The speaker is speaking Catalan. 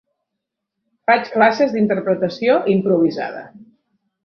Faig classes d'interpretació improvisada.